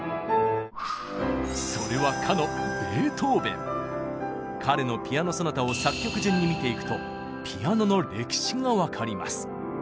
それはかの彼のピアノ・ソナタを作曲順に見ていくとピアノの歴史が分かります。